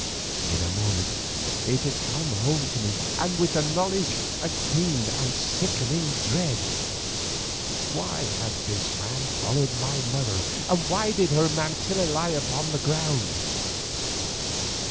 In a moment it had come home to me, and with the knowledge a keen and sickening dread. Why had this man followed my mother, and why did her mantilla lie thus upon the ground?